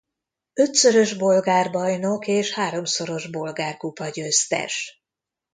Ötszörös bolgár bajnok és háromszoros bolgár kupagyőztes.